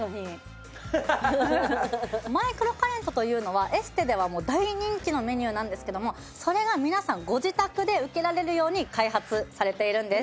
マイクロカレントというのはエステではもう大人気のメニューなんですけどもそれが皆さんご自宅で受けられるように開発されているんです。